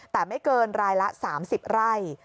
แต่ไม่เกินรายละ๓๐ไร่